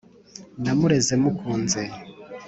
Namureze mukunze